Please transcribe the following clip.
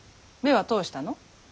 目は通したの？